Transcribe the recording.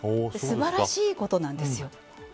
素晴らしいことなんですよ。